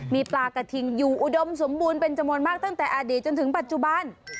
มีปลากระทิงอยู่อุดมสมบูรณ์เป็นจำนวนมากตั้งแต่อดีตจนถึงปัจจุบัน